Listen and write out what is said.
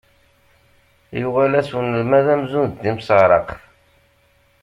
Yuɣal-as unelmad amzun d timseɛraqt.